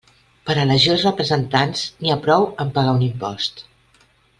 Per a elegir els representants, n'hi ha prou amb pagar un impost.